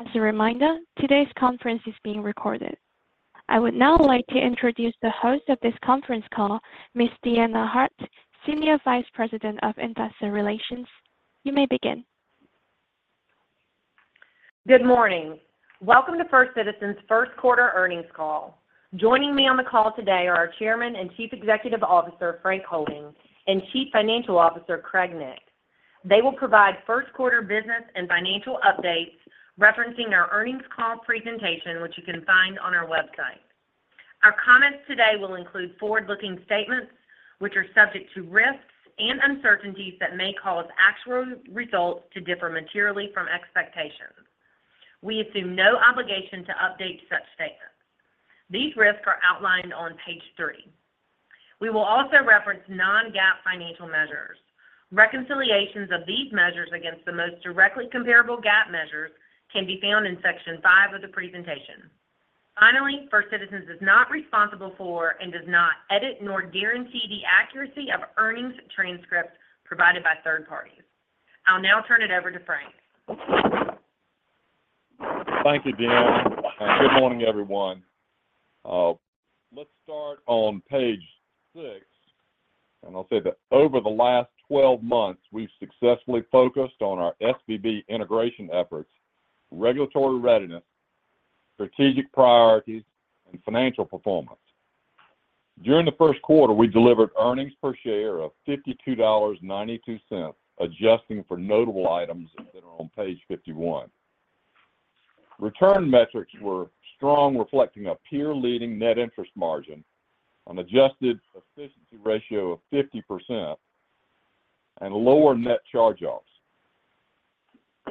As a reminder, today's conference is being recorded. I would now like to introduce the host of this conference call, Miss Deanna Hart, Senior Vice President of Investor Relations. You may begin. Good morning. Welcome to First Citizens' first quarter earnings call. Joining me on the call today are our Chairman and Chief Executive Officer, Frank Holding, and Chief Financial Officer, Craig Nix. They will provide first quarter business and financial updates, referencing our earnings call presentation, which you can find on our website. Our comments today will include forward-looking statements, which are subject to risks and uncertainties that may cause actual results to differ materially from expectations. We assume no obligation to update such statements. These risks are outlined on page three. We will also reference non-GAAP financial measures. Reconciliations of these measures against the most directly comparable GAAP measures can be found in section five of the presentation. Finally, First Citizens is not responsible for and does not edit nor guarantee the accuracy of earnings transcripts provided by third parties. I'll now turn it over to Frank. Thank you, Deanna, and good morning, everyone. Let's start on page six, and I'll say that over the last 12 months, we've successfully focused on our SVB integration efforts, regulatory readiness, strategic priorities, and financial performance. During the first quarter, we delivered earnings per share of $52.92, adjusting for notable items that are on page 51. Return metrics were strong, reflecting a peer-leading net interest margin, an adjusted efficiency ratio of 50%, and lower net charge-offs.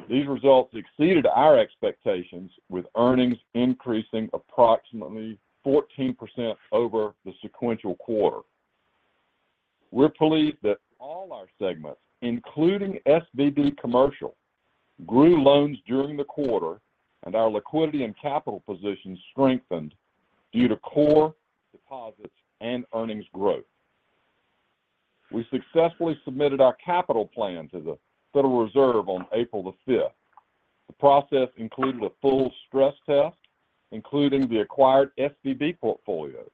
These results exceeded our expectations, with earnings increasing approximately 14% over the sequential quarter. We're pleased that all our segments, including SVB Commercial, grew loans during the quarter, and our liquidity and capital position strengthened due to core deposits and earnings growth. We successfully submitted our capital plan to the Federal Reserve on April 5th. The process included a full stress test, including the acquired SVB portfolios.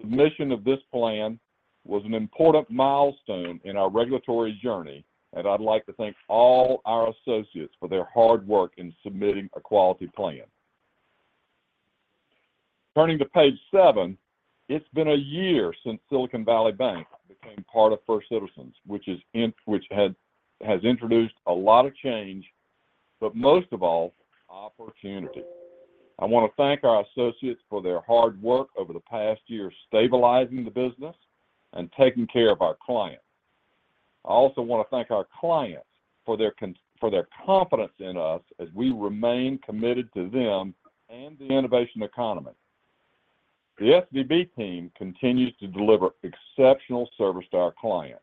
Submission of this plan was an important milestone in our regulatory journey, and I'd like to thank all our associates for their hard work in submitting a quality plan. Turning to page seven, it's been a year since Silicon Valley Bank became part of First Citizens, which has introduced a lot of change, but most of all, opportunity. I want to thank our associates for their hard work over the past year, stabilizing the business and taking care of our clients. I also want to thank our clients for their confidence in us as we remain committed to them and the innovation economy. The SVB team continues to deliver exceptional service to our clients,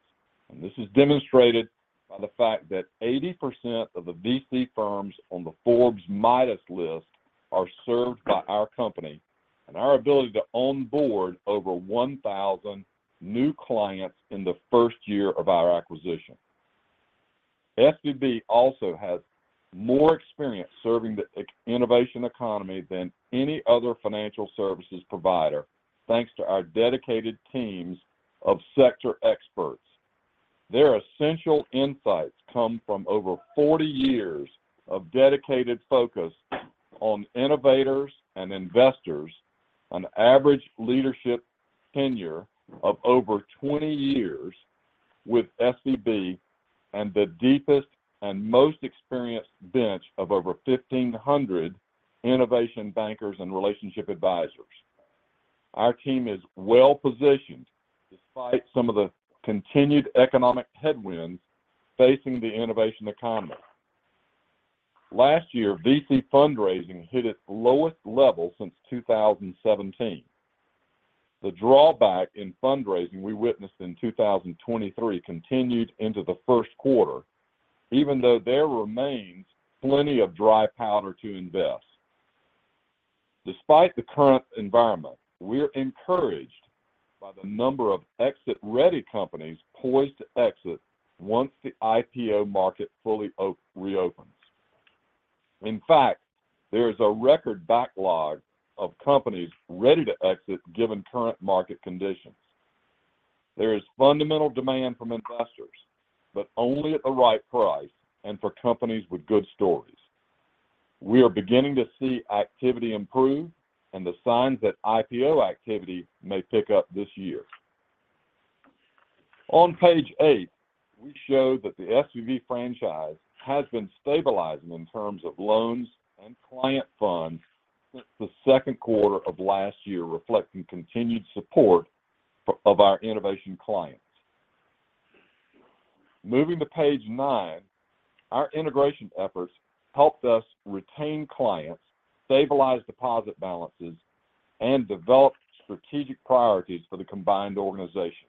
and this is demonstrated by the fact that 80% of the VC firms on the Forbes Midas List are served by our company, and our ability to onboard over 1,000 new clients in the first year of our acquisition. SVB also has more experience serving the innovation economy than any other financial services provider, thanks to our dedicated teams of sector experts. Their essential insights come from over 40 years of dedicated focus on innovators and investors, an average leadership tenure of over 20 years with SVB, and the deepest and most experienced bench of over 1,500 innovation bankers and relationship advisors. Our team is well positioned despite some of the continued economic headwinds facing the innovation economy. Last year, VC fundraising hit its lowest level since 2017. The drawback in fundraising we witnessed in 2023 continued into the first quarter, even though there remains plenty of dry powder to invest. Despite the current environment, we're encouraged by the number of exit-ready companies poised to exit once the IPO market fully reopens. In fact, there is a record backlog of companies ready to exit, given current market conditions. There is fundamental demand from investors, but only at the right price and for companies with good stories. We are beginning to see activity improve and the signs that IPO activity may pick up this year. On page 8, we show that the SVB franchise has been stabilizing in terms of loans and client funds since the second quarter of last year, reflecting continued support for our innovation clients. Moving to page nine, our integration efforts helped us retain clients, stabilize deposit balances, and develop strategic priorities for the combined organization.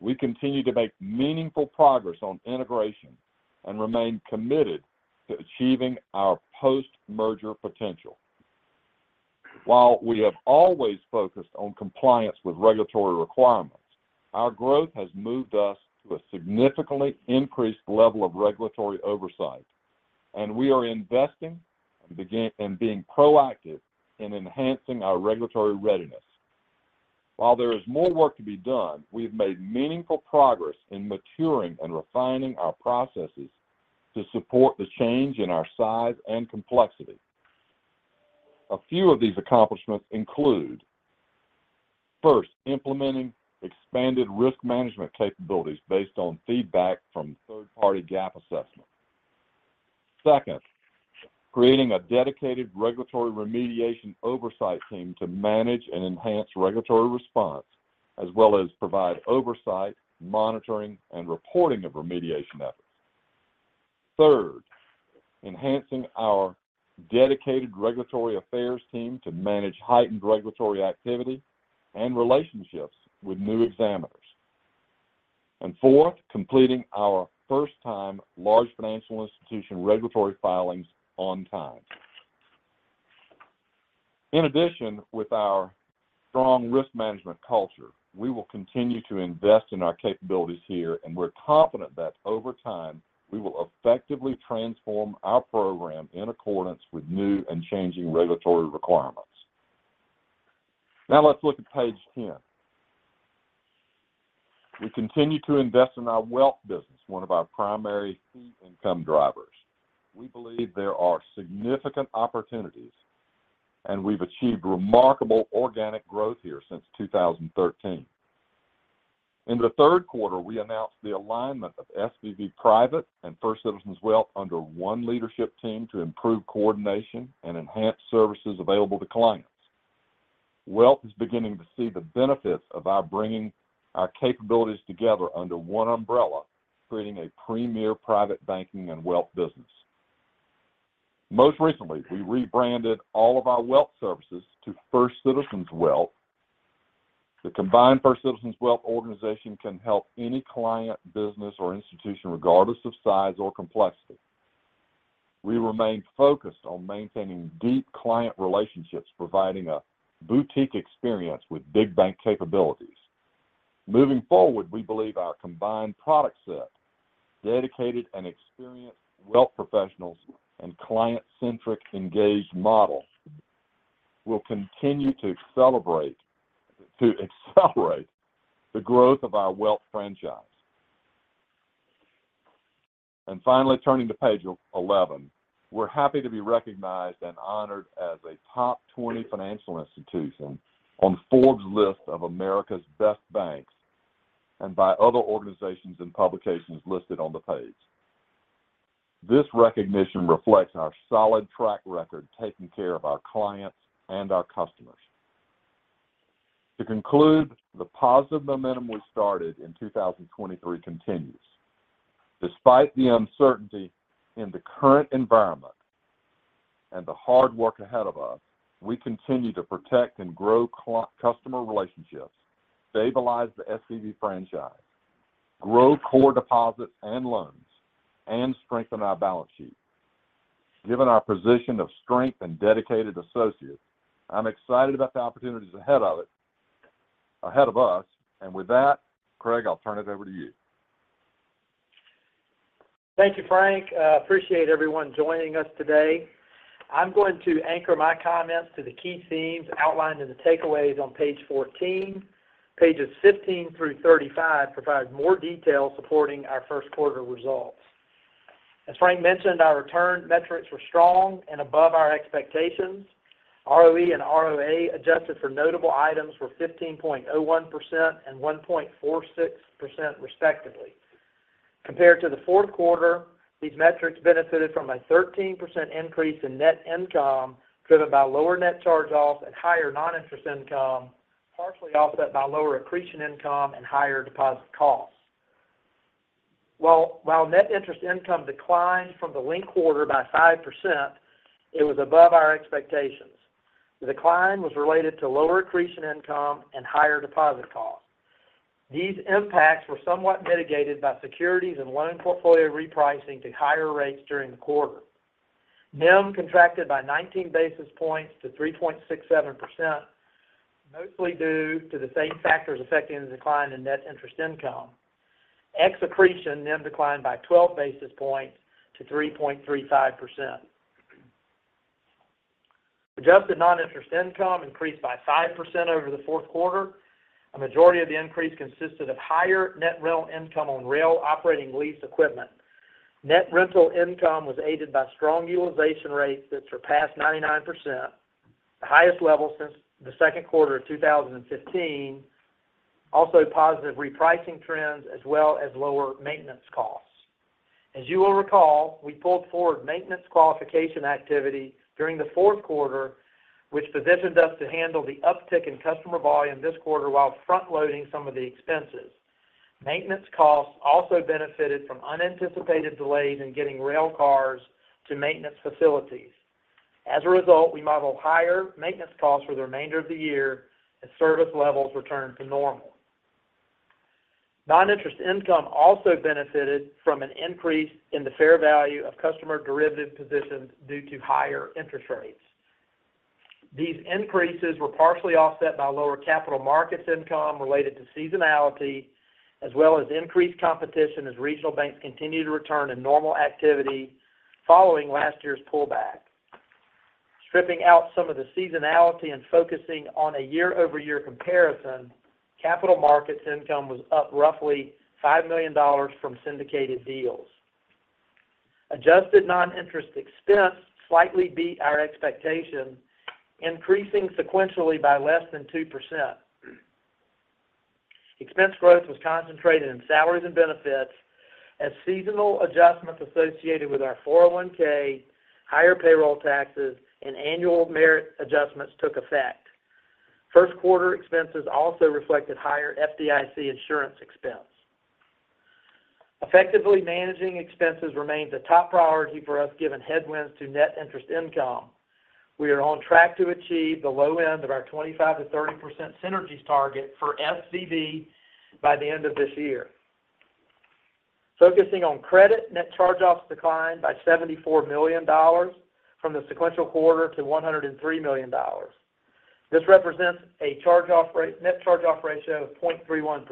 We continue to make meaningful progress on integration and remain committed to achieving our post-merger potential.... While we have always focused on compliance with regulatory requirements, our growth has moved us to a significantly increased level of regulatory oversight, and we are investing and being proactive in enhancing our regulatory readiness. While there is more work to be done, we have made meaningful progress in maturing and refining our processes to support the change in our size and complexity. A few of these accomplishments include, first, implementing expanded risk management capabilities based on feedback from third-party gap assessments. Second, creating a dedicated regulatory remediation oversight team to manage and enhance regulatory response, as well as provide oversight, monitoring, and reporting of remediation efforts. Third, enhancing our dedicated regulatory affairs team to manage heightened regulatory activity and relationships with new examiners. And fourth, completing our first time large financial institution regulatory filings on time. In addition, with our strong risk management culture, we will continue to invest in our capabilities here, and we're confident that over time, we will effectively transform our program in accordance with new and changing regulatory requirements. Now let's look at page 10. We continue to invest in our wealth business, one of our primary fee income drivers. We believe there are significant opportunities, and we've achieved remarkable organic growth here since 2013. In the third quarter, we announced the alignment of SVB Private and First Citizens Wealth under one leadership team to improve coordination and enhance services available to clients. Wealth is beginning to see the benefits of our bringing our capabilities together under one umbrella, creating a premier private banking and wealth business. Most recently, we rebranded all of our wealth services to First Citizens Wealth. The combined First Citizens Wealth organization can help any client, business, or institution, regardless of size or complexity. We remain focused on maintaining deep client relationships, providing a boutique experience with big bank capabilities. Moving forward, we believe our combined product set, dedicated and experienced wealth professionals, and client-centric, engaged model will continue to accelerate the growth of our wealth franchise. And finally, turning to page 11, we're happy to be recognized and honored as a top 20 financial institution on Forbes list of America's Best Banks and by other organizations and publications listed on the page. This recognition reflects our solid track record taking care of our clients and our customers. To conclude, the positive momentum we started in 2023 continues. Despite the uncertainty in the current environment and the hard work ahead of us, we continue to protect and grow customer relationships, stabilize the SVB franchise, grow core deposits and loans, and strengthen our balance sheet. Given our position of strength and dedicated associates, I'm excited about the opportunities ahead of it, ahead of us. And with that, Craig, I'll turn it over to you. Thank you, Frank. Appreciate everyone joining us today. I'm going to anchor my comments to the key themes outlined in the takeaways on page 14. Pages 15 through 35 provide more detail supporting our first quarter results. As Frank mentioned, our return metrics were strong and above our expectations. ROE and ROA, adjusted for notable items, were 15.01% and 1.46%, respectively. Compared to the fourth quarter, these metrics benefited from a 13% increase in net income, driven by lower net charge-offs and higher non-interest income, partially offset by lower accretion income and higher deposit costs. Well, while net interest income declined from the linked quarter by 5%, it was above our expectations. The decline was related to lower accretion income and higher deposit costs. These impacts were somewhat mitigated by securities and loan portfolio repricing to higher rates during the quarter. NIM contracted by 19 basis points to 3.67%, mostly due to the same factors affecting the decline in net interest income. Ex-accretion, NIM declined by 12 basis points to 3.35%. Adjusted non-interest income increased by 5% over the fourth quarter. A majority of the increase consisted of higher net rental income on rail operating lease equipment. Net rental income was aided by strong utilization rates that surpassed 99%, the highest level since the second quarter of 2015. Also, positive repricing trends, as well as lower maintenance costs. As you will recall, we pulled forward maintenance qualification activity during the fourth quarter, which positioned us to handle the uptick in customer volume this quarter while front-loading some of the expenses. Maintenance costs also benefited from unanticipated delays in getting rail cars to maintenance facilities. As a result, we model higher maintenance costs for the remainder of the year as service levels return to normal. Non-interest income also benefited from an increase in the fair value of customer derivative positions due to higher interest rates. These increases were partially offset by lower capital markets income related to seasonality, as well as increased competition as regional banks continue to return to normal activity following last year's pullback. Stripping out some of the seasonality and focusing on a year-over-year comparison, capital markets income was up roughly $5 million from syndicated deals. Adjusted non-interest expense slightly beat our expectation, increasing sequentially by less than 2%. Expense growth was concentrated in salaries and benefits, as seasonal adjustments associated with our 401(k), higher payroll taxes, and annual merit adjustments took effect. First quarter expenses also reflected higher FDIC insurance expense. Effectively managing expenses remained a top priority for us, given headwinds to net interest income. We are on track to achieve the low end of our 25%-30% synergies target for SVB by the end of this year. Focusing on credit, net charge-offs declined by $74 million from the sequential quarter to $103 million. This represents a charge-off rate, net charge-off ratio of 0.31%,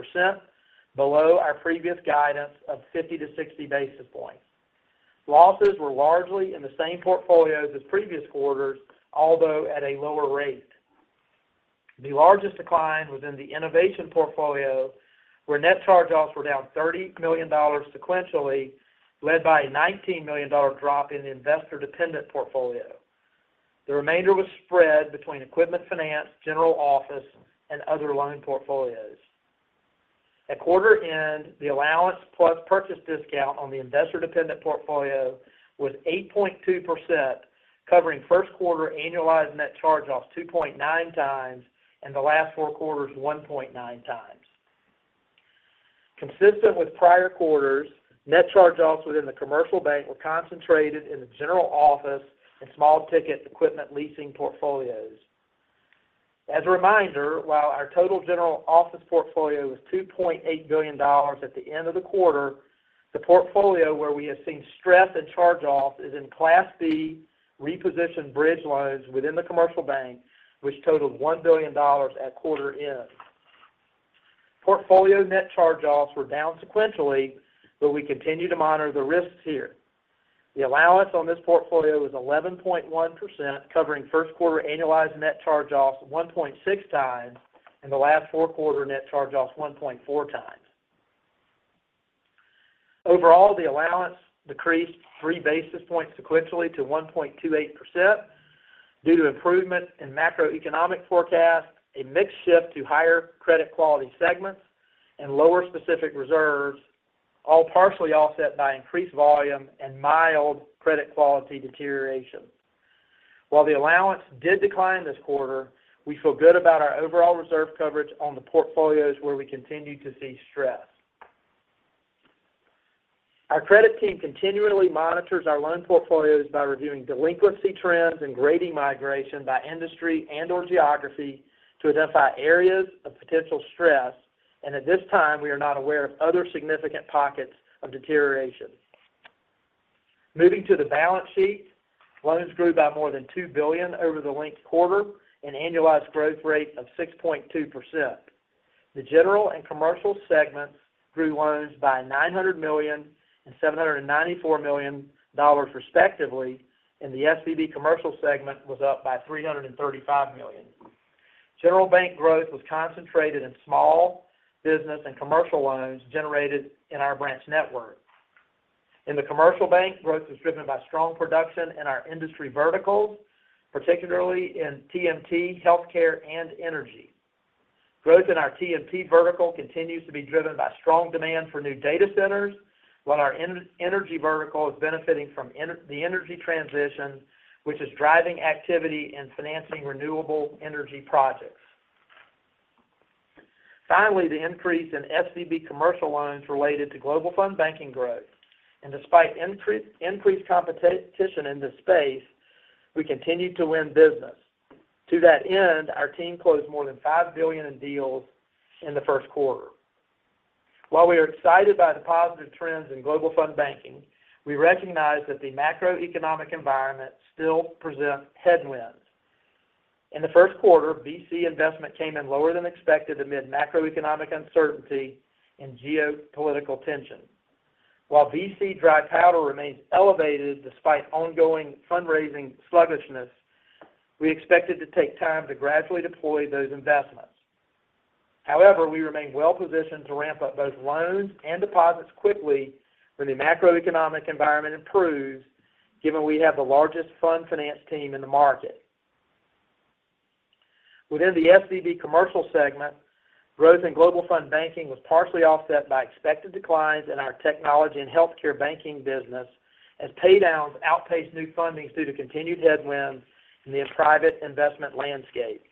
below our previous guidance of 50-60 basis points. Losses were largely in the same portfolios as previous quarters, although at a lower rate. The largest decline was in the innovation portfolio, where net charge-offs were down $30 million sequentially, led by a $19 million drop in the investor-dependent portfolio. The remainder was spread between equipment finance, general office, and other loan portfolios. At quarter end, the allowance plus purchase discount on the investor-dependent portfolio was 8.2%, covering first quarter annualized net charge-offs 2.9 times, and the last four quarters, 1.9 times. Consistent with prior quarters, net charge-offs within the commercial bank were concentrated in the general office and small-ticket equipment leasing portfolios. As a reminder, while our total general office portfolio was $2.8 billion at the end of the quarter, the portfolio where we have seen stress and charge-offs is in Class B, repositioned bridge loans within the commercial bank, which totaled $1 billion at quarter end. Portfolio net charge-offs were down sequentially, but we continue to monitor the risks here. The allowance on this portfolio was 11.1%, covering first quarter annualized net charge-offs 1.6 times, and the last four quarter net charge-offs 1.4 times. Overall, the allowance decreased 3 basis points sequentially to 1.28% due to improvement in macroeconomic forecast, a mixed shift to higher credit quality segments, and lower specific reserves, all partially offset by increased volume and mild credit quality deterioration. While the allowance did decline this quarter, we feel good about our overall reserve coverage on the portfolios where we continue to see stress. Our credit team continually monitors our loan portfolios by reviewing delinquency trends and grading migration by industry and/or geography to identify areas of potential stress, and at this time, we are not aware of other significant pockets of deterioration. Moving to the balance sheet, loans grew by more than $2 billion over the linked quarter, an annualized growth rate of 6.2%. The general and commercial segments grew loans by $900 million and $794 million, respectively, and the SVB Commercial segment was up by $335 million. General bank growth was concentrated in small business and commercial loans generated in our branch network. In the commercial bank, growth was driven by strong production in our industry verticals, particularly in TMT, healthcare, and energy. Growth in our TMT vertical continues to be driven by strong demand for new data centers, while our energy vertical is benefiting from the energy transition, which is driving activity in financing renewable energy projects. Finally, the increase in SCB commercial loans related to Global Fund Banking growth, and despite increased competition in this space, we continue to win business. To that end, our team closed more than $5 billion in deals in the first quarter. While we are excited by the positive trends in Global Fund Banking, we recognize that the macroeconomic environment still presents headwinds. In the first quarter, VC investment came in lower than expected amid macroeconomic uncertainty and geopolitical tension. While VC dry powder remains elevated despite ongoing fundraising sluggishness, we expect it to take time to gradually deploy those investments. However, we remain well positioned to ramp up both loans and deposits quickly when the macroeconomic environment improves, given we have the largest fund finance team in the market. Within the SVB Commercial segment, growth in Global Fund Banking was partially offset by expected declines in our technology and healthcare banking business, as paydowns outpaced new fundings due to continued headwinds in the private investment landscape.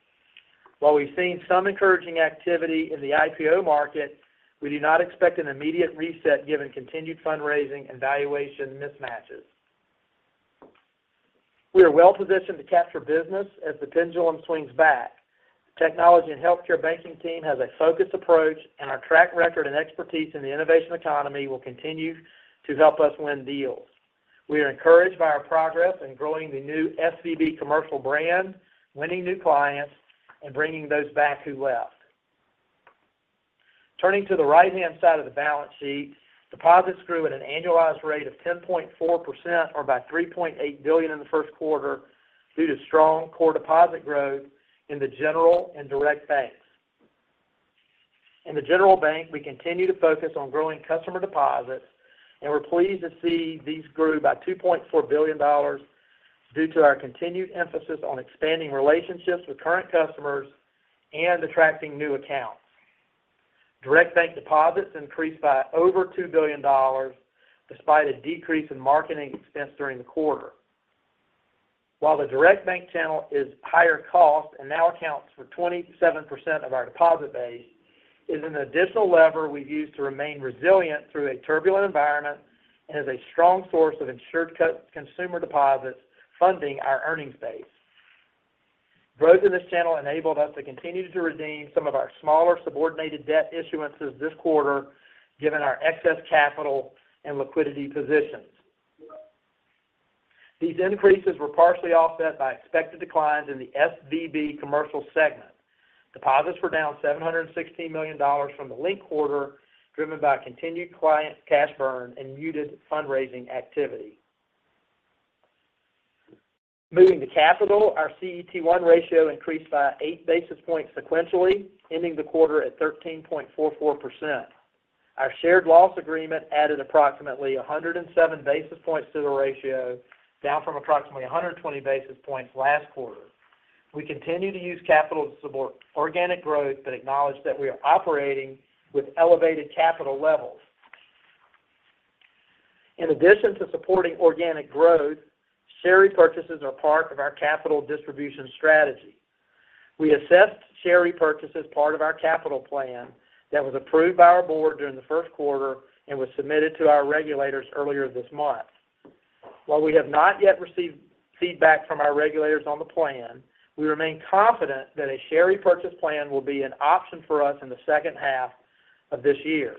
While we've seen some encouraging activity in the IPO market, we do not expect an immediate reset, given continued fundraising and valuation mismatches... We are well positioned to capture business as the pendulum swings back. Technology and healthcare banking team has a focused approach, and our track record and expertise in the innovation economy will continue to help us win deals. We are encouraged by our progress in growing the new SVB Commercial brand, winning new clients, and bringing those back who left. Turning to the right-hand side of the balance sheet, deposits grew at an annualized rate of 10.4%, or by $3.8 billion in the first quarter, due to strong core deposit growth in the general and direct banks. In the general bank, we continue to focus on growing customer deposits, and we're pleased to see these grew by $2.4 billion due to our continued emphasis on expanding relationships with current customers and attracting new accounts. Direct Bank deposits increased by over $2 billion despite a decrease in marketing expense during the quarter. While the Direct Bank channel is higher cost and now accounts for 27% of our deposit base, it's an additional lever we've used to remain resilient through a turbulent environment and is a strong source of insured consumer deposits, funding our earnings base. Growth in this channel enabled us to continue to redeem some of our smaller subordinated debt issuances this quarter, given our excess capital and liquidity positions. These increases were partially offset by expected declines in the SVB Commercial segment. Deposits were down $716 million from the linked quarter, driven by continued client cash burn and muted fundraising activity. Moving to capital, our CET1 ratio increased by 8 basis points sequentially, ending the quarter at 13.44%. Our Shared Loss Agreement added approximately 107 basis points to the ratio, down from approximately 120 basis points last quarter. We continue to use capital to support organic growth, but acknowledge that we are operating with elevated capital levels. In addition to supporting organic growth, share repurchases are part of our capital distribution strategy. We assessed share repurchase as part of our capital plan that was approved by our board during the first quarter and was submitted to our regulators earlier this month. While we have not yet received feedback from our regulators on the plan, we remain confident that a share repurchase plan will be an option for us in the second half of this year.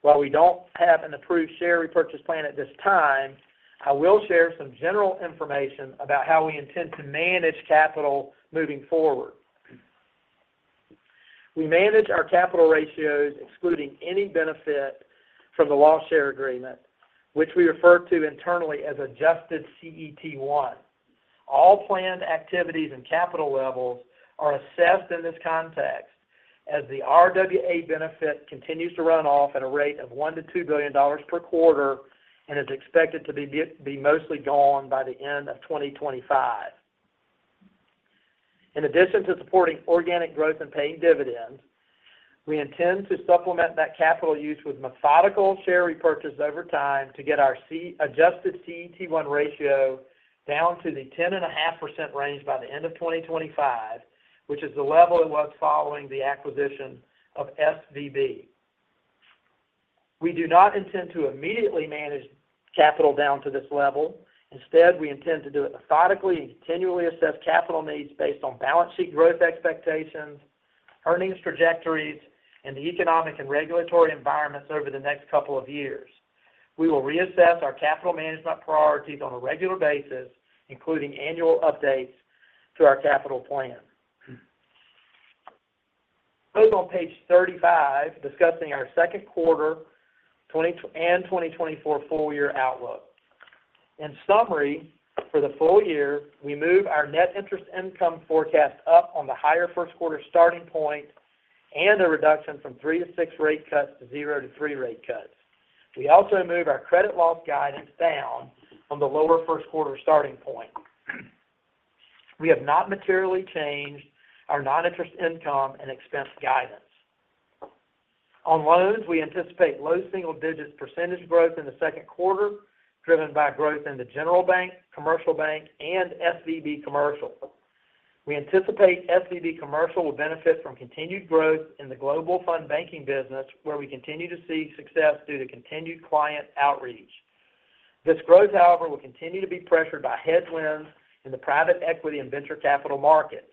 While we don't have an approved share repurchase plan at this time, I will share some general information about how we intend to manage capital moving forward. We manage our capital ratios, excluding any benefit from the loss share agreement, which we refer to internally as adjusted CET1. All planned activities and capital levels are assessed in this context, as the RWA benefit continues to run off at a rate of $1 billion-$2 billion per quarter and is expected to be mostly gone by the end of 2025. In addition to supporting organic growth and paying dividends, we intend to supplement that capital use with methodical share repurchase over time to get our C, adjusted CET1 ratio down to the 10.5% range by the end of 2025, which is the level it was following the acquisition of SVB. We do not intend to immediately manage capital down to this level. Instead, we intend to do it methodically and continually assess capital needs based on balance sheet growth expectations, earnings trajectories, and the economic and regulatory environments over the next couple of years. We will reassess our capital management priorities on a regular basis, including annual updates to our capital plan. Moving on page 35, discussing our second quarter 2024 and 2024 full year outlook. In summary, for the full year, we moved our net interest income forecast up on the higher first quarter starting point and a reduction from 3 to 6 rate cuts to 0 to 3 rate cuts. We also moved our credit loss guidance down on the lower first quarter starting point. We have not materially changed our non-interest income and expense guidance. On loans, we anticipate low single-digit percentage growth in the second quarter, driven by growth in the general bank, commercial bank, and SVB Commercial. We anticipate SVB Commercial will benefit from continued growth in the Global Fund Banking business, where we continue to see success due to continued client outreach. This growth, however, will continue to be pressured by headwinds in the private equity and venture capital markets.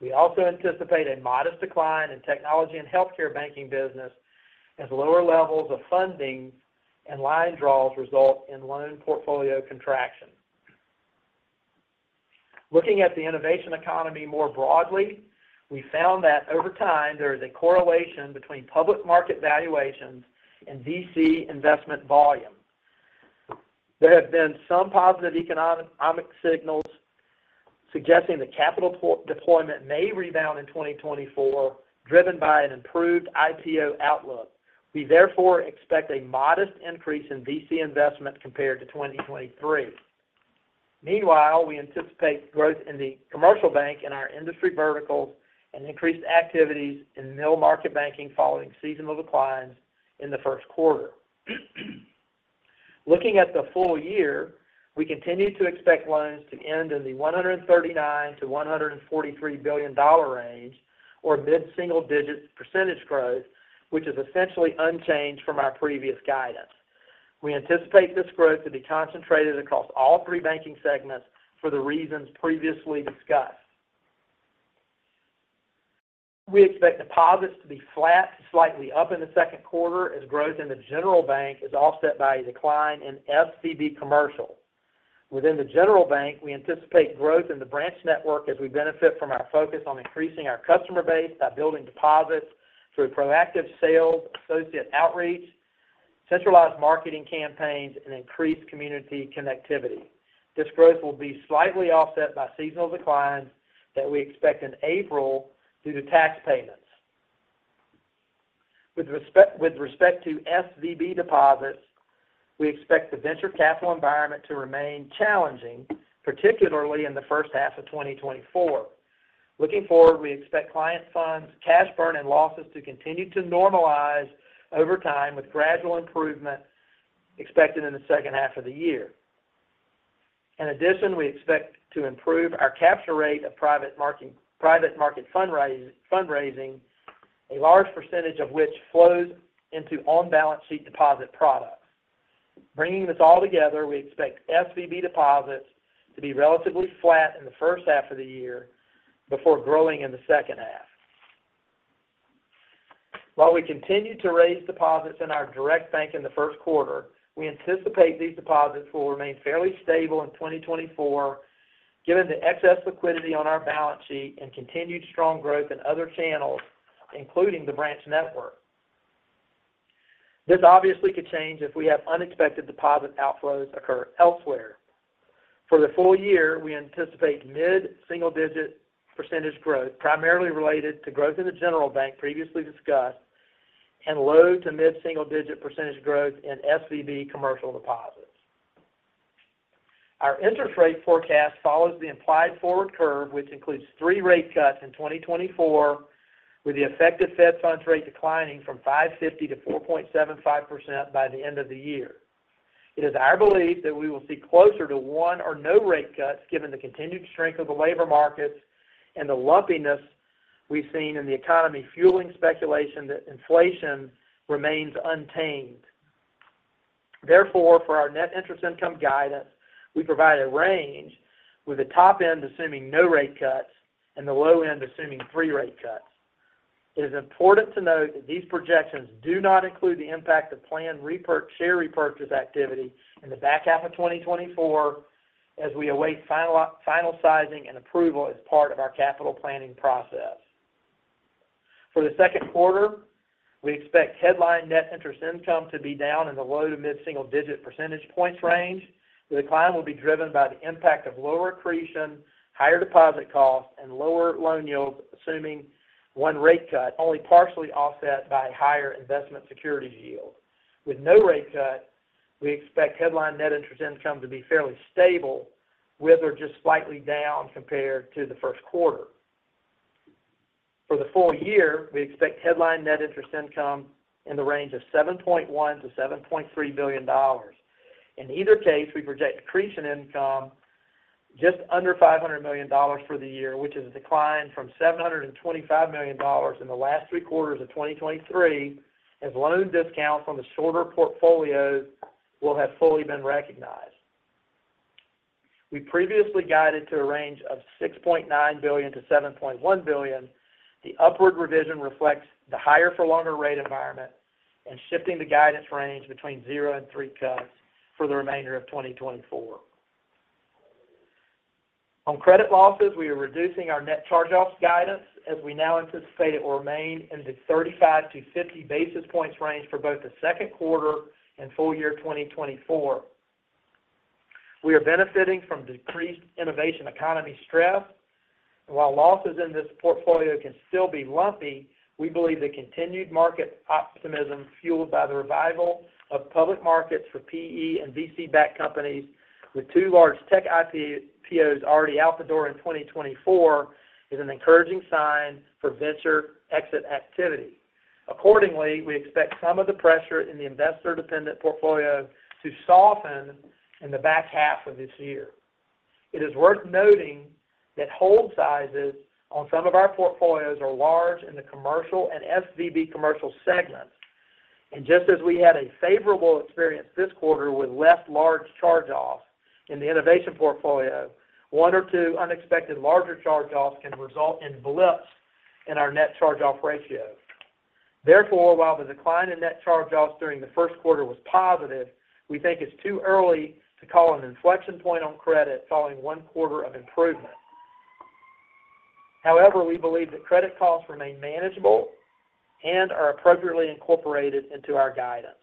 We also anticipate a modest decline in technology and healthcare banking business as lower levels of funding and line draws result in loan portfolio contraction. Looking at the innovation economy more broadly, we found that over time, there is a correlation between public market valuations and VC investment volume. There have been some positive economic signals suggesting that capital deployment may rebound in 2024, driven by an improved IPO outlook. We therefore expect a modest increase in VC investment compared to 2023. Meanwhile, we anticipate growth in the commercial bank and our industry verticals, and increased activities in middle-market banking following seasonal declines in the first quarter. Looking at the full year, we continue to expect loans to end in the $139 billion-$143 billion range or mid-single-digit % growth, which is essentially unchanged from our previous guidance. We anticipate this growth to be concentrated across all three banking segments for the reasons previously discussed. We expect deposits to be flat to slightly up in the second quarter as growth in the general bank is offset by a decline in SVB Commercial. Within the general bank, we anticipate growth in the branch network as we benefit from our focus on increasing our customer base by building deposits through proactive sales, associate outreach, centralized marketing campaigns, and increased community connectivity. This growth will be slightly offset by seasonal declines that we expect in April due to tax payments. With respect to SVB deposits, we expect the venture capital environment to remain challenging, particularly in the first half of 2024. Looking forward, we expect client funds, cash burn, and losses to continue to normalize over time, with gradual improvement expected in the second half of the year. In addition, we expect to improve our capture rate of private market fundraising, a large percentage of which flows into on-balance sheet deposit products. Bringing this all together, we expect SVB deposits to be relatively flat in the first half of the year before growing in the second half. While we continued to raise deposits in our direct bank in the first quarter, we anticipate these deposits will remain fairly stable in 2024, given the excess liquidity on our balance sheet and continued strong growth in other channels, including the branch network. This obviously could change if we have unexpected deposit outflows occur elsewhere. For the full year, we anticipate mid-single-digit % growth, primarily related to growth in the general bank previously discussed, and low to mid-single-digit % growth in SVB Commercial deposits. Our interest rate forecast follows the implied forward curve, which includes three rate cuts in 2024, with the effective Fed Funds Rate declining from 5.50 to 4.75% by the end of the year. It is our belief that we will see closer to one or no rate cuts, given the continued strength of the labor markets and the lumpiness we've seen in the economy, fueling speculation that inflation remains untamed. Therefore, for our net interest income guidance, we provide a range, with the top end assuming no rate cuts and the low end assuming three rate cuts. It is important to note that these projections do not include the impact of planned share repurchase activity in the back half of 2024, as we await final sizing and approval as part of our capital planning process. For the second quarter, we expect headline net interest income to be down in the low to mid-single-digit percentage points range. The decline will be driven by the impact of lower accretion, higher deposit costs, and lower loan yields, assuming one rate cut, only partially offset by higher investment securities yield. With no rate cut, we expect headline net interest income to be fairly stable, with or just slightly down compared to the first quarter. For the full year, we expect headline net interest income in the range of $7.1 billion-$7.3 billion. In either case, we project accretion income just under $500 million for the year, which is a decline from $725 million in the last three quarters of 2023, as loan discounts on the shorter portfolios will have fully been recognized. We previously guided to a range of $6.9 billion-$7.1 billion. The upward revision reflects the higher for longer rate environment and shifting the guidance range between 0 and 3 cuts for the remainder of 2024. On credit losses, we are reducing our net charge-offs guidance, as we now anticipate it will remain in the 35-50 basis points range for both the second quarter and full year 2024. We are benefiting from decreased innovation economy stress, and while losses in this portfolio can still be lumpy, we believe the continued market optimism, fueled by the revival of public markets for PE and VC-backed companies with 2 large tech IPOs already out the door in 2024, is an encouraging sign for venture exit activity. Accordingly, we expect some of the pressure in the investor-dependent portfolio to soften in the back half of this year. It is worth noting that hold sizes on some of our portfolios are large in the commercial and SVB Commercial segments. Just as we had a favorable experience this quarter with less large charge-offs in the innovation portfolio, one or two unexpected larger charge-offs can result in blips in our net charge-off ratio. Therefore, while the decline in net charge-offs during the first quarter was positive, we think it's too early to call an inflection point on credit following one quarter of improvement. However, we believe that credit costs remain manageable and are appropriately incorporated into our guidance.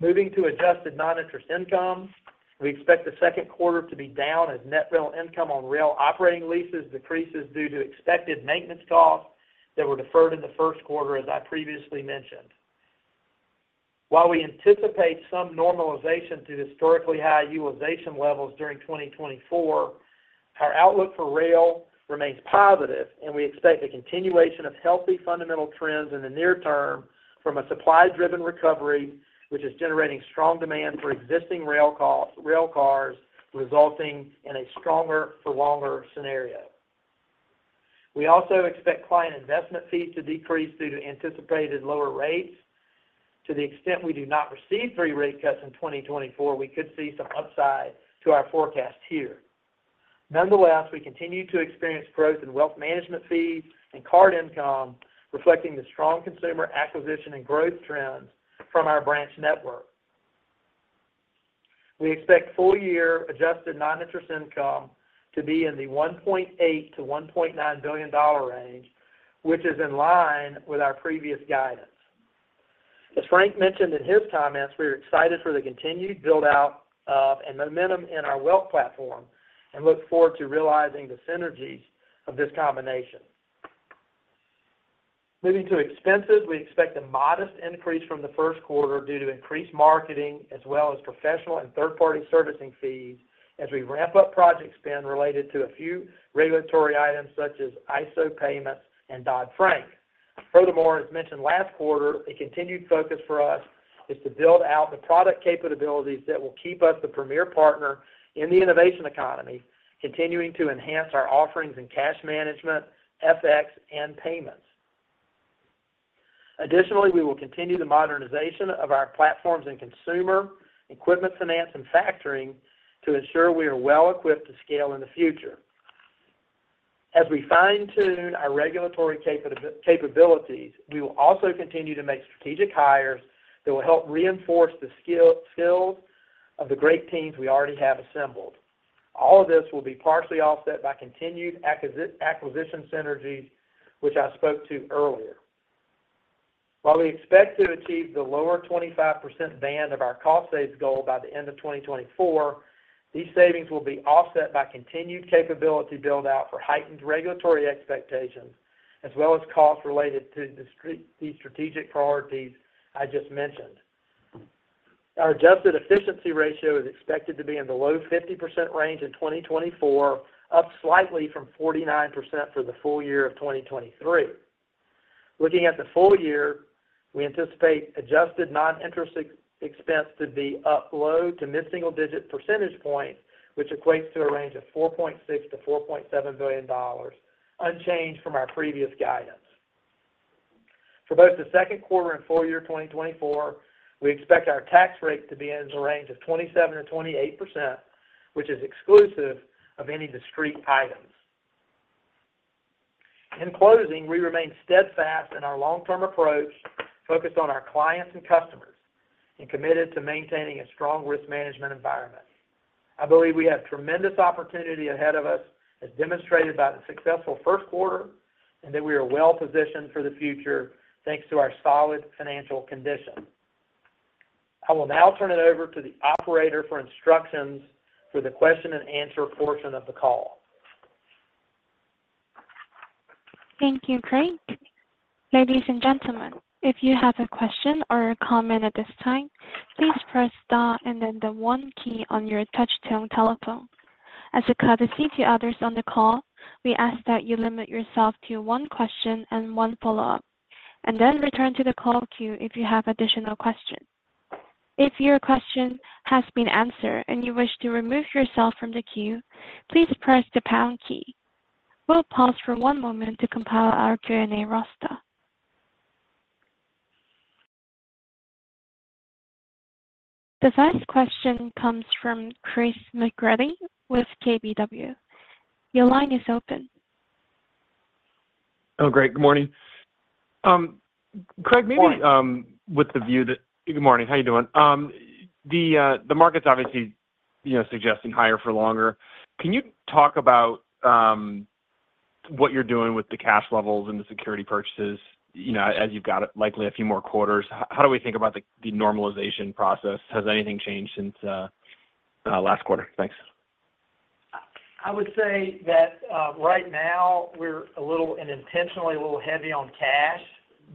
Moving to adjusted non-interest income, we expect the second quarter to be down as net rental income on rail operating leases decreases due to expected maintenance costs that were deferred in the first quarter, as I previously mentioned. While we anticipate some normalization to historically high utilization levels during 2024, our outlook for rail remains positive, and we expect a continuation of healthy fundamental trends in the near term from a supply-driven recovery, which is generating strong demand for existing rail cars, resulting in a stronger for longer scenario.... We also expect client investment fees to decrease due to anticipated lower rates. To the extent we do not receive 3 rate cuts in 2024, we could see some upside to our forecast here. Nonetheless, we continue to experience growth in wealth management fees and card income, reflecting the strong consumer acquisition and growth trends from our branch network. We expect full-year adjusted non-interest income to be in the $1.8 billion-$1.9 billion range, which is in line with our previous guidance. As Frank mentioned in his comments, we are excited for the continued build-out of, and momentum in our wealth platform, and look forward to realizing the synergies of this combination. Moving to expenses, we expect a modest increase from the first quarter due to increased marketing, as well as professional and third-party servicing fees, as we ramp up project spend related to a few regulatory items such as ISO payments and Dodd-Frank. Furthermore, as mentioned last quarter, a continued focus for us is to build out the product capabilities that will keep us the premier partner in the innovation economy, continuing to enhance our offerings in cash management, FX, and payments. Additionally, we will continue the modernization of our platforms and consumer, equipment finance, and factoring to ensure we are well equipped to scale in the future. As we fine-tune our regulatory capabilities, we will also continue to make strategic hires that will help reinforce the skills of the great teams we already have assembled. All of this will be partially offset by continued acquisition synergies, which I spoke to earlier. While we expect to achieve the lower 25% band of our cost saves goal by the end of 2024, these savings will be offset by continued capability build-out for heightened regulatory expectations, as well as costs related to the strategic priorities I just mentioned. Our adjusted efficiency ratio is expected to be in the low 50% range in 2024, up slightly from 49% for the full year of 2023. Looking at the full year, we anticipate adjusted non-interest expense to be up low- to mid-single-digit percentage points, which equates to a range of $4.6 billion-$4.7 billion, unchanged from our previous guidance. For both the second quarter and full year 2024, we expect our tax rate to be in the range of 27%-28%, which is exclusive of any discrete items. In closing, we remain steadfast in our long-term approach, focused on our clients and customers, and committed to maintaining a strong risk management environment. I believe we have tremendous opportunity ahead of us, as demonstrated by the successful first quarter, and that we are well positioned for the future, thanks to our solid financial condition. I will now turn it over to the operator for instructions for the question and answer portion of the call. Thank you, Craig. Ladies and gentlemen, if you have a question or a comment at this time, please press star and then the 1 key on your touchtone telephone. As a courtesy to others on the call, we ask that you limit yourself to one question and one follow-up, and then return to the call queue if you have additional questions. If your question has been answered and you wish to remove yourself from the queue, please press the pound key. We'll pause for one moment to compile our Q&A roster. The first question comes from Chris McGratty with KBW. Your line is open. Oh, great. Good morning. Craig, maybe with the view that. Good morning. How you doing? The market's obviously, you know, suggesting higher for longer. Can you talk about what you're doing with the cash levels and the security purchases, you know, as you've got it, likely a few more quarters? How do we think about the normalization process? Has anything changed since last quarter? Thanks. I would say that, right now we're a little, and intentionally a little heavy on cash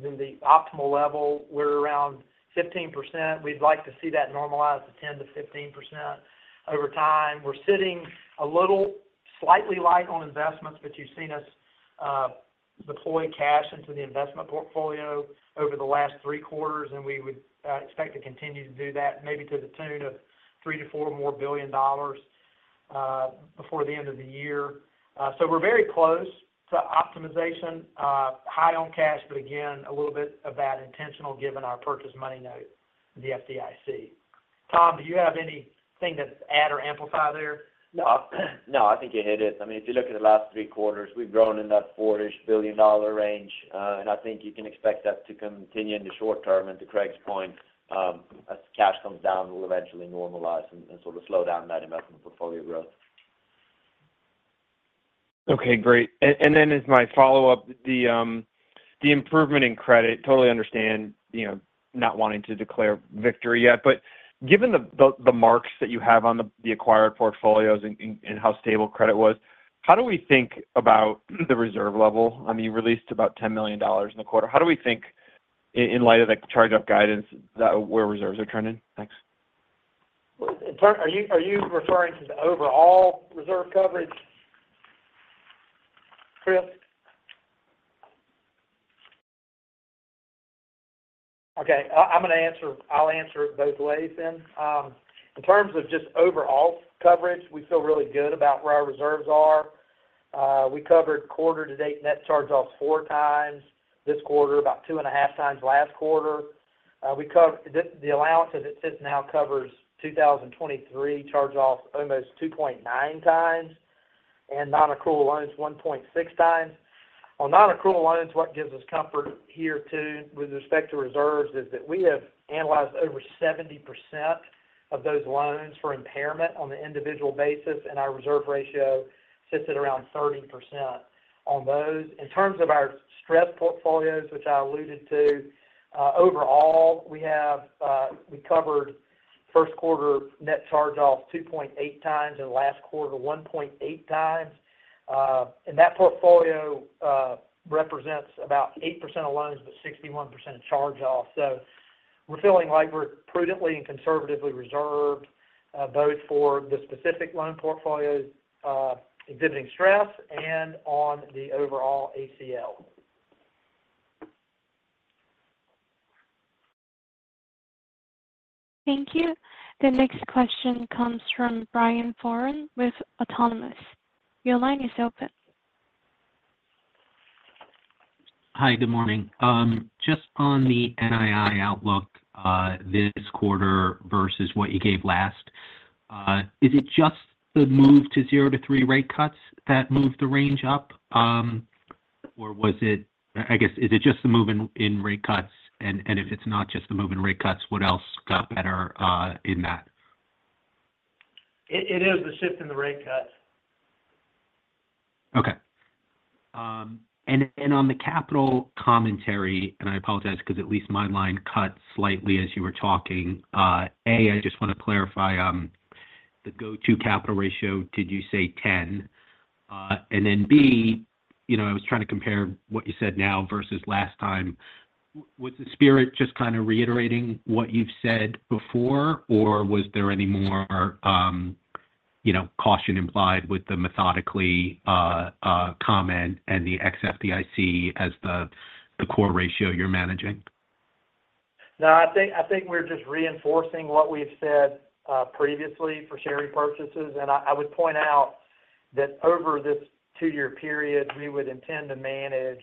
than the optimal level. We're around 15%. We'd like to see that normalize to 10%-15% over time. We're sitting a little slightly light on investments, but you've seen us, deploy cash into the investment portfolio over the last three quarters, and we would, expect to continue to do that, maybe to the tune of $3 billion-$4 billion, before the end of the year. So we're very close to optimization, high on cash, but again, a little bit of that intentional given our Purchase Money Note, the FDIC. Tom, do you have anything to add or amplify there? No. No, I think you hit it. I mean, if you look at the last three quarters, we've grown in that $4 billion-ish range, and I think you can expect that to continue in the short term. And to Craig's point, as cash comes down, we'll eventually normalize and sort of slow down that investment portfolio growth. Okay, great. And then as my follow-up, the improvement in credit, totally understand, you know, not wanting to declare victory yet, but given the marks that you have on the acquired portfolios and how stable credit was, how do we think about the reserve level? I mean, you released about $10 million in the quarter. How do we think in light of, like, charge-off guidance, that where reserves are trending? Thanks. Well, in turn, are you, are you referring to the overall reserve coverage, Chris? Okay, I'm gonna answer. I'll answer it both ways then. In terms of just overall coverage, we feel really good about where our reserves are. We covered quarter to date net charge-offs 4 times this quarter, about 2.5 times last quarter. The allowance as it sits now covers 2023 charge-offs almost 2.9 times, and nonaccrual loans 1.6 times. On nonaccrual loans, what gives us comfort here, too, with respect to reserves, is that we have analyzed over 70% of those loans for impairment on the individual basis, and our reserve ratio sits at around 30% on those. In terms of our stress portfolios, which I alluded to, overall, we have, we covered first quarter net charge-offs 2.8 times and last quarter, 1.8 times. And that portfolio represents about 8% of loans, but 61% of charge-offs. So we're feeling like we're prudently and conservatively reserved, both for the specific loan portfolios exhibiting stress and on the overall ACL. Thank you. The next question comes from Brian Foran with Autonomous. Your line is open. Hi, good morning. Just on the NII outlook, this quarter versus what you gave last, is it just the move to 0-3 rate cuts that moved the range up? Or was it, I guess, is it just the move in rate cuts? And if it's not just the move in rate cuts, what else got better, in that? It is the shift in the rate cuts. Okay. And on the capital commentary, and I apologize because at least my line cut slightly as you were talking. A, I just want to clarify the go-forward capital ratio. Did you say 10? And then, B, you know, I was trying to compare what you said now versus last time. Was the spirit just kind of reiterating what you've said before, or was there any more, you know, caution implied with the methodical comment and the ex-FDIC as the core ratio you're managing? No, I think, I think we're just reinforcing what we've said previously for share repurchases. I would point out that over this two-year period, we would intend to manage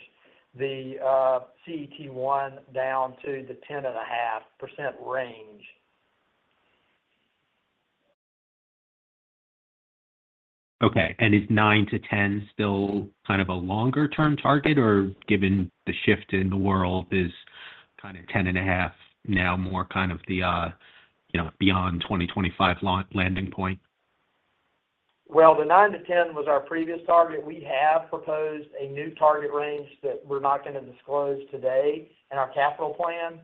the CET1 down to the 10.5% range. Okay. And is 9-10 still kind of a longer-term target, or given the shift in the world, is kind of 10.5 now more kind of the, you know, beyond 2025 landing point? Well, the 9-10 was our previous target. We have proposed a new target range that we're not going to disclose today in our capital plan,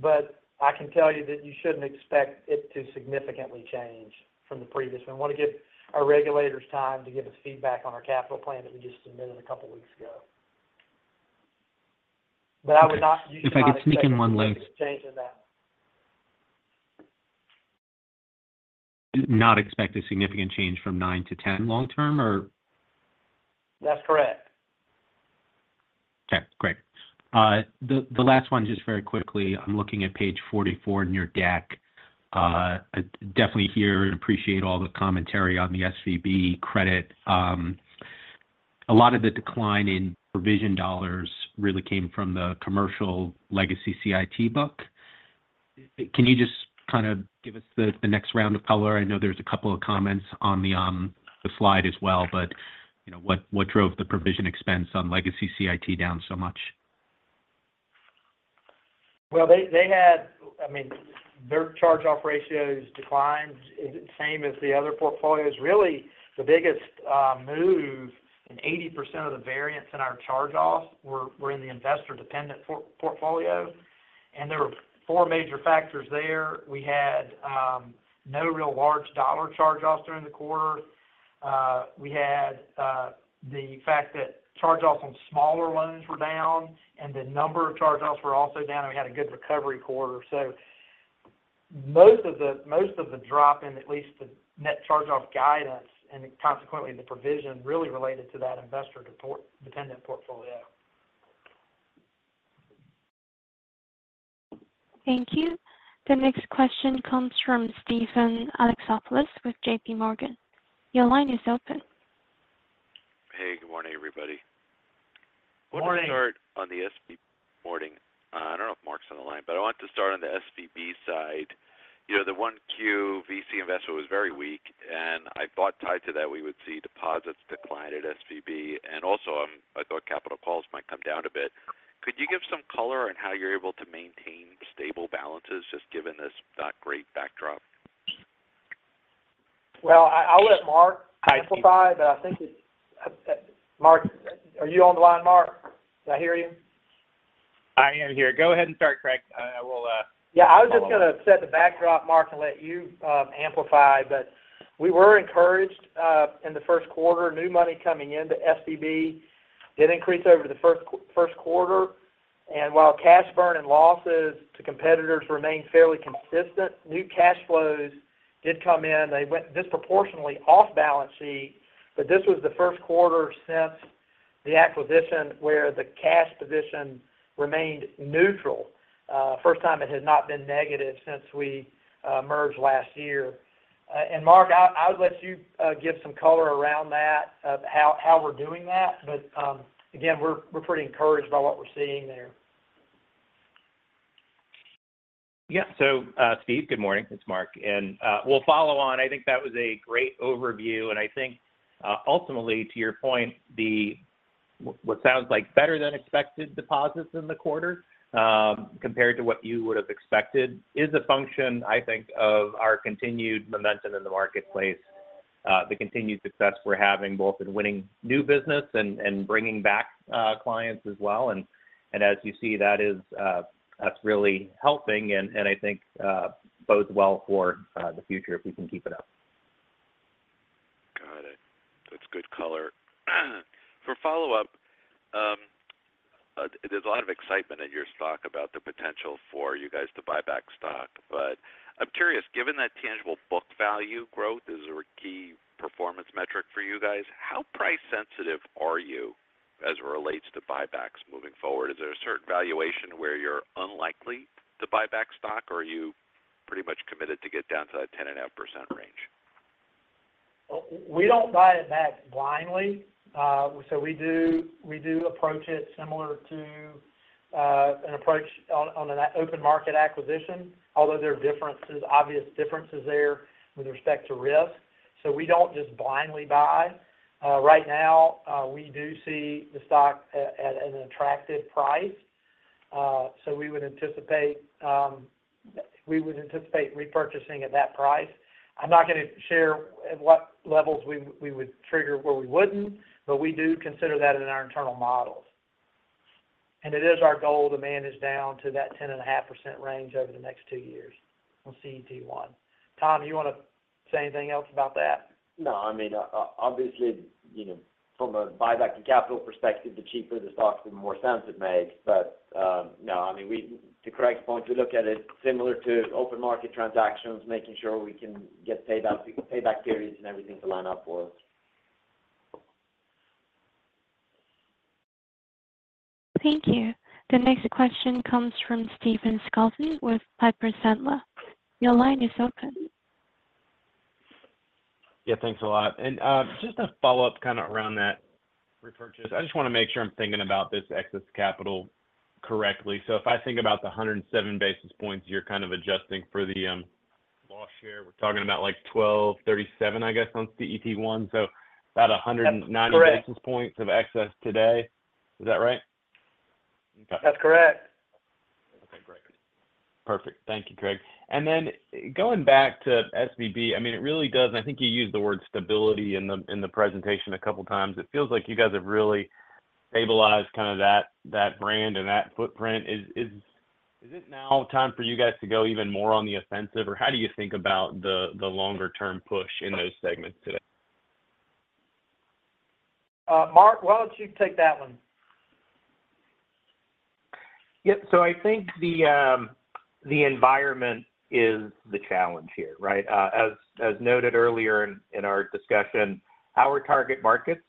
but I can tell you that you shouldn't expect it to significantly change from the previous one. We want to give our regulators time to give us feedback on our capital plan that we just submitted a couple weeks ago. But I would not- If I could sneak in one link- Change in that. Not expect a significant change from 9 to 10 long term, or? That's correct. Okay, great. The last one, just very quickly, I'm looking at page 44 in your deck. I definitely hear and appreciate all the commentary on the SVB credit. A lot of the decline in provision dollars really came from the commercial legacy CIT book. Can you just kind of give us the next round of color? I know there's a couple of comments on the slide as well, but, you know, what drove the provision expense on legacy CIT down so much? Well, they had—I mean, their charge-off ratios declined same as the other portfolios. Really, the biggest move, and 80% of the variance in our charge-offs were in the investor-dependent portfolio, and there were four major factors there. We had no real large dollar charge-offs during the quarter. We had the fact that charge-offs on smaller loans were down, and the number of charge-offs were also down, and we had a good recovery quarter. So most of the drop in at least the net charge-off guidance and consequently the provision, really related to that investor-dependent portfolio. Thank you. The next question comes from Steven Alexopoulos with JPMorgan. Your line is open. Hey, good morning, everybody. Morning. I want to start on the SVB boarding. I don't know if Marc's on the line, but I want to start on the SVB side. You know, the 1Q VC investment was very weak, and I thought tied to that, we would see deposits decline at SVB, and also, I thought capital calls might come down a bit. Could you give some color on how you're able to maintain stable balances, just given this not great backdrop? Well, I would let Marc amplify, but I think it... Marc, are you on the line, Marc? Can I hear you? I am here. Go ahead and start, Craig. I will. Yeah, I was just gonna set the backdrop, Marc, and let you amplify. But we were encouraged in the first quarter, new money coming into SVB did increase over the first quarter, and while cash burn and losses to competitors remained fairly consistent, new cash flows did come in. They went disproportionately off balance sheet, but this was the first quarter since the acquisition where the cash position remained neutral, first time it has not been negative since we merged last year. And Marc, I would let you give some color around that, of how we're doing that. But again, we're pretty encouraged by what we're seeing there. Yeah. So, Steve, good morning, it's Marc. And we'll follow on. I think that was a great overview, and I think, ultimately, to your point, the what sounds like better than expected deposits in the quarter, compared to what you would have expected, is a function, I think, of our continued momentum in the marketplace, the continued success we're having both in winning new business and bringing back clients as well. And as you see, that is, that's really helping and I think bodes well for the future if we can keep it up. Got it. That's good color. For follow-up, there's a lot of excitement at your stock about the potential for you guys to buy back stock. But I'm curious, given that tangible book value growth is a key performance metric for you guys, how price sensitive are you as it relates to buybacks moving forward? Is there a certain valuation where you're unlikely to buy back stock, or are you pretty much committed to get down to that 10.5% range? Well, we don't buy it back blindly. So we do approach it similar to an approach on an open market acquisition, although there are differences, obvious differences there with respect to risk. So we don't just blindly buy. Right now, we do see the stock at an attractive price. So we would anticipate repurchasing at that price. I'm not gonna share at what levels we would trigger, where we wouldn't, but we do consider that in our internal models. And it is our goal to manage down to that 10.5% range over the next two years on CET1. Tom, you want to say anything else about that? No, I mean, obviously, you know, from a buyback and capital perspective, the cheaper the stock, the more sense it makes. But, no, I mean, we—to Craig's point, we look at it similar to open market transactions, making sure we can get payback, payback periods and everything to line up for us. Thank you. The next question comes from Stephen Scouten with Piper Sandler. Your line is open. Yeah, thanks a lot. And just a follow-up kind of around that repurchase. I just want to make sure I'm thinking about this excess capital correctly. So if I think about the 107 basis points, you're kind of adjusting for the loss share. We're talking about, like, 12.37, I guess, on CET1, so about a 190- That's correct Basis points of excess today. Is that right? That's correct. Okay, great. Perfect. Thank you, Craig. And then going back to SVB, I mean, it really does, and I think you used the word stability in the presentation a couple times. It feels like you guys have really stabilized kind of that brand and that footprint. Is it now time for you guys to go even more on the offensive, or how do you think about the longer-term push in those segments today? Marc, why don't you take that one? Yep. So I think the environment is the challenge here, right? As noted earlier in our discussion, our target markets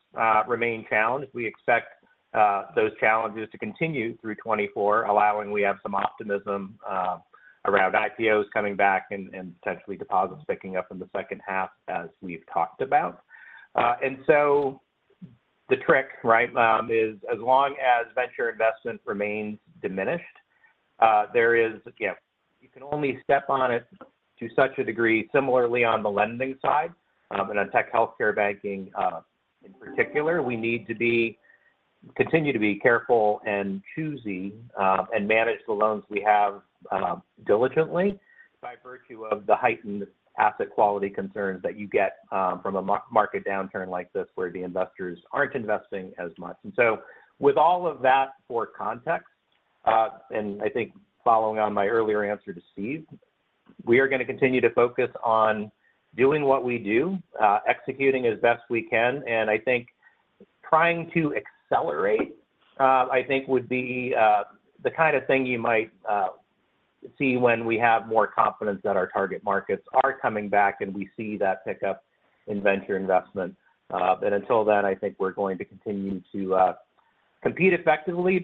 remain challenged. We expect those challenges to continue through 2024, although we have some optimism around IPOs coming back and potentially deposits picking up in the second half, as we've talked about. And so the trick, right, is as long as venture investment remains diminished, there is, again, you can only step on it to such a degree. Similarly, on the lending side, and on tech healthcare banking, in particular, we need to continue to be careful and choosy, and manage the loans we have diligently by virtue of the heightened asset quality concerns that you get from a market downturn like this, where the investors aren't investing as much. And so with all of that for context, and I think following on my earlier answer to Steve, we are gonna continue to focus on doing what we do, executing as best we can. And I think trying to accelerate, I think would be, the kind of thing you might, see when we have more confidence that our target markets are coming back and we see that pickup in venture investment. But until then, I think we're going to continue to, compete effectively,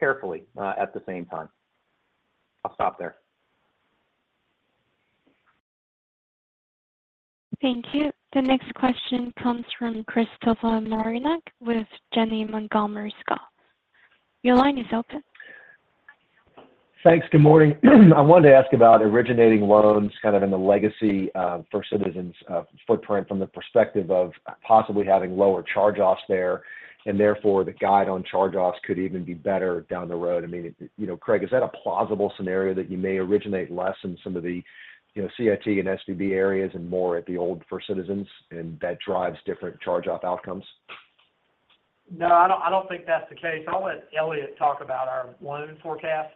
but carefully, at the same time. I'll stop there. Thank you. The next question comes from Christopher Marinac with Janney Montgomery Scott. Your line is open. Thanks. Good morning. I wanted to ask about originating loans, kind of in the legacy for Citizens footprint, from the perspective of possibly having lower charge-offs there, and therefore, the guide on charge-offs could even be better down the road. I mean, you know, Craig, is that a plausible scenario that you may originate less in some of the, you know, CIT and SVB areas and more at the old First Citizens, and that drives different charge-off outcomes? No, I don't, I don't think that's the case. I'll let Elliott talk about our loan forecast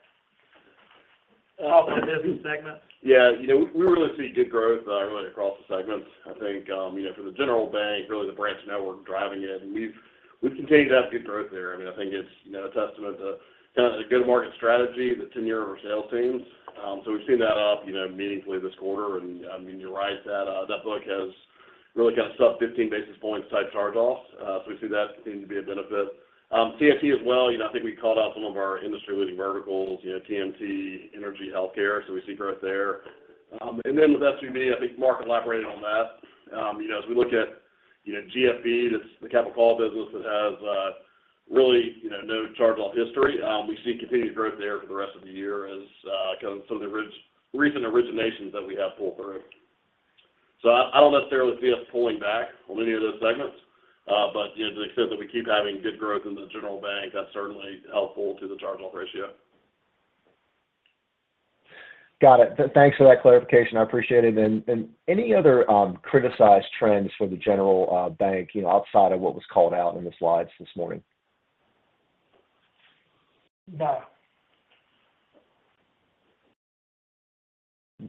for the business segment. Yeah, you know, we really see good growth, really across the segments. I think, you know, for the general bank, really the branch network driving it, and we've continued to have good growth there. I mean, I think it's, you know, a testament to kind of the good market strategy, the tenure of our sales teams. So we've seen that up, you know, meaningfully this quarter. And, I mean, you're right, that book has really kind of sub-15 basis points type charge-offs. So we see that continuing to be a benefit. CFT as well, you know, I think we called out some of our industry-leading verticals, you know, TMT, energy, healthcare, so we see growth there. And then with SVB, I think Marc elaborated on that. You know, as we look at, you know, GFB, that's the capital call business that has, really, you know, no charge-off history, we see continued growth there for the rest of the year as, kind of some of the recent originations that we have pull through. So I, I don't necessarily see us pulling back on any of those segments. But, you know, to the extent that we keep having good growth in the general bank, that's certainly helpful to the charge-off ratio. Got it. Thanks for that clarification, I appreciate it. And any other criticized trends for the general bank, you know, outside of what was called out in the slides this morning? No.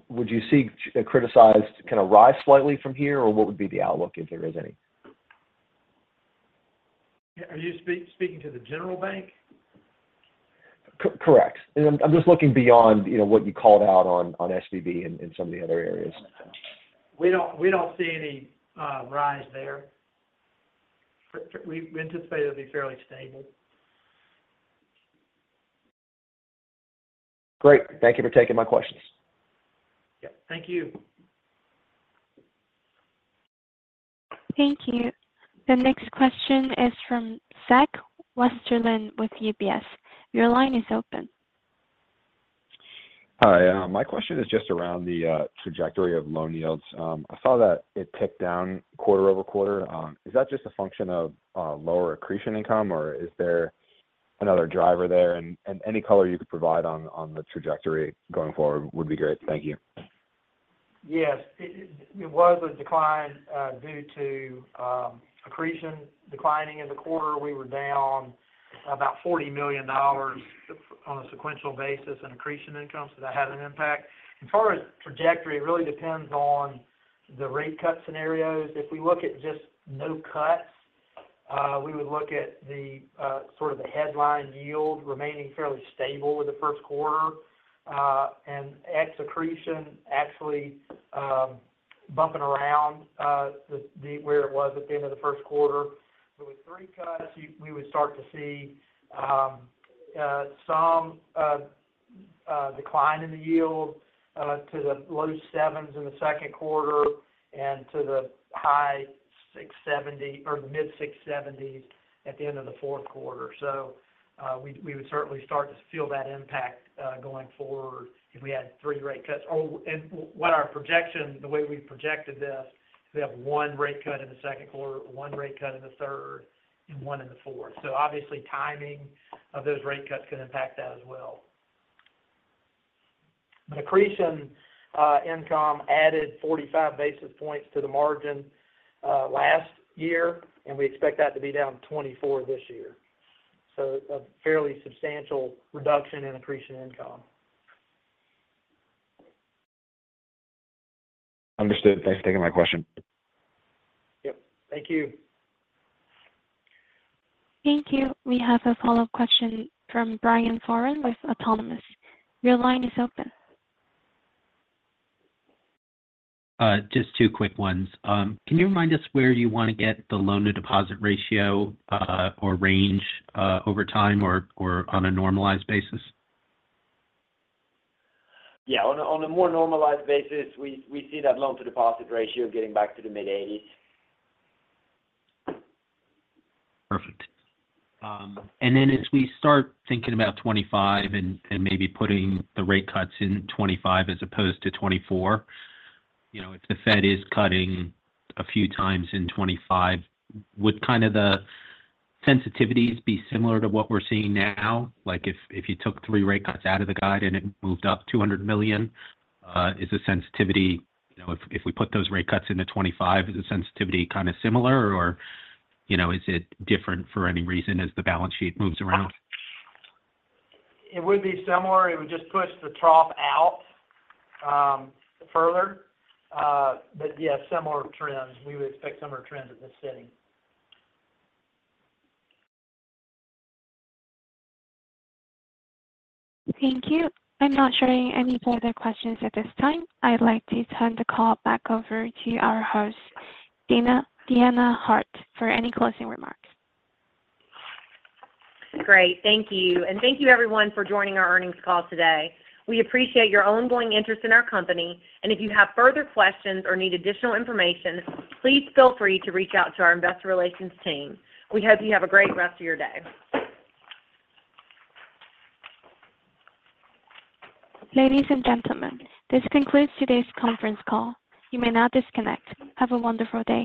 Would you see a criticized kind of rise slightly from here, or what would be the outlook if there is any? Are you speaking to the general bank? So, correct. And I'm just looking beyond, you know, what you called out on SVB and some of the other areas. We don't see any rise there. We anticipate it'll be fairly stable. Great. Thank you for taking my questions. Yep, thank you. Thank you. The next question is from Zach Westerlind with UBS. Your line is open. Hi, my question is just around the trajectory of loan yields. I saw that it ticked down quarter-over-quarter. Is that just a function of lower accretion income, or is there another driver there? And any color you could provide on the trajectory going forward would be great. Thank you. Yes, it was a decline due to accretion declining in the quarter. We were down about $40 million on a sequential basis in accretion income, so that had an impact. As far as trajectory, it really depends on the rate cut scenarios. If we look at just no cuts, we would look at sort of the headline yield remaining fairly stable with the first quarter, and ex accretion actually bumping around where it was at the end of the first quarter. So with 3 cuts, we would start to see some decline in the yield to the low 7s in the second quarter and to the high 6.70 or mid-6.70s at the end of the fourth quarter. So, we would certainly start to feel that impact going forward if we had 3 rate cuts. Oh, and what our projection, the way we've projected this, we have 1 rate cut in the second quarter, 1 rate cut in the third, and 1 in the fourth. So obviously, timing of those rate cuts can impact that as well. The accretion income added 45 basis points to the margin last year, and we expect that to be down 24 this year. So a fairly substantial reduction in accretion income. Understood. Thanks for taking my question. Yep, thank you. Thank you. We have a follow-up question from Brian Foran with Autonomous. Your line is open. Just two quick ones. Can you remind us where you want to get the loan-to-deposit ratio or range over time or on a normalized basis? Yeah, on a more normalized basis, we see that loan-to-deposit ratio getting back to the mid-80s. Perfect. And then as we start thinking about 2025 and maybe putting the rate cuts in 2025 as opposed to 2024, you know, if the Fed is cutting a few times in 2025, would kind of the sensitivities be similar to what we're seeing now? Like, if you took 3 rate cuts out of the guide and it moved up $200 million, is the sensitivity... You know, if we put those rate cuts into 2025, is the sensitivity kind of similar? Or, you know, is it different for any reason as the balance sheet moves around? It would be similar. It would just push the trough out, further. But yeah, similar trends. We would expect similar trends at this sitting. Thank you. I'm not showing any further questions at this time. I'd like to turn the call back over to our host, Deanna Hart, for any closing remarks. Great, thank you. Thank you everyone for joining our earnings call today. We appreciate your ongoing interest in our company, and if you have further questions or need additional information, please feel free to reach out to our investor relations team. We hope you have a great rest of your day. Ladies and gentlemen, this concludes today's conference call. You may now disconnect. Have a wonderful day.